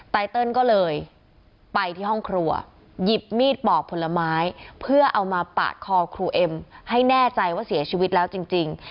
ไตเติลก็เลยไปที่ห้องครัวหยิบมีดปอกผลไม้เพื่อเอามาปาดคอครูเอ็มให้แน่ใจว่าเสียชีวิตแล้วจริง